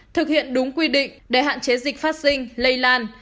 thực hiện đúng quy định để hạn chế dịch phát sinh lây lan